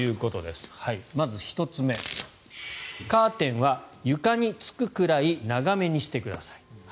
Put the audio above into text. まず１つ目、カーテンは床につくくらい長めにしてください。